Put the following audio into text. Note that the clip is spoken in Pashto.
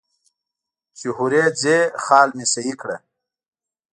چې هورې ځې خال مې سهي کړه.